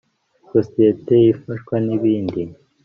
Sosiyete ifashwa ni indi